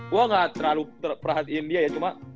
gue gak terlalu perhatiin dia ya cuma